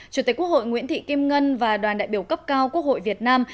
chủ tịch quốc hội nguyễn thị kim ngân và đoàn đại biểu cấp cao quốc hội việt nam